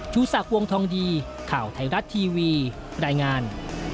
ชูศักดิ์วงทองดีข่าวไทยรัฐทีวีรายงาน